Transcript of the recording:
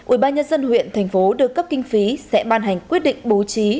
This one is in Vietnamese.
ubnd huyện thành phố được cấp kinh phí sẽ ban hành quyết định bố trí